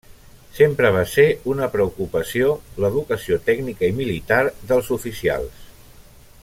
Sempre va ser una preocupació l'educació tècnica i militar dels oficials.